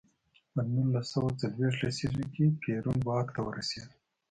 په نولس سوه څلویښت لسیزه کې پېرون واک ته ورسېد.